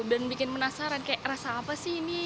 dan bikin penasaran kayak rasa apa sih ini